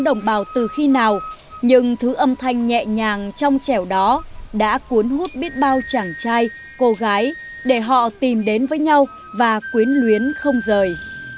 đồng bào từ khi nào nhưng thứ âm thanh nhẹ nhàng trong chẻo đó đã cuốn hút biết bao chàng trai cô gái để họ tìm đến với nhau và quyến luyến không rời